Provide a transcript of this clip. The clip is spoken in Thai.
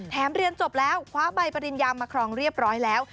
เรียนจบแล้วคว้าใบปริญญามาครองเรียบร้อยแล้ว